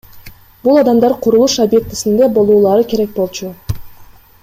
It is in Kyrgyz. Бул адамдар курулуш объектисинде болуулары керек болчу.